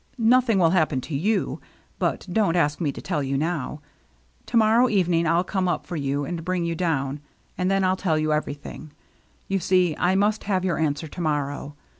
" Nothing will happen to you^ but don't ask me to tell you now. To morrow evening I'll come up for you and bring you down, and then I'll tell everything. You see, I must have your answer to morrow.